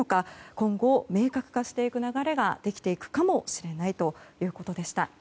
今後、明確化していく流れができていくかもしれないということでした。